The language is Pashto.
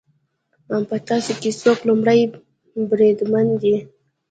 په تاسو کې څوک لومړی بریدمن دی